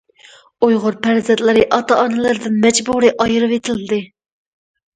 ئۇيغۇر پەرزەنتلىرى ئاتا-ئانىلىرىدىن مەجبۇرىي ئايرىۋېتىلدى.